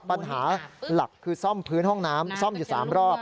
ปัญหาหลักคือซ่อมพื้นห้องน้ำซ่อมอยู่๓รอบ